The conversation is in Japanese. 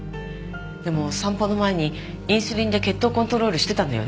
でも散歩の前にインスリンで血糖コントロールしてたのよね？